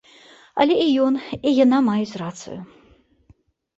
Але і ён, і яна маюць рацыю.